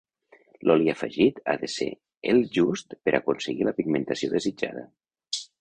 L'oli afegit ha de ser el just per a aconseguir la pigmentació desitjada.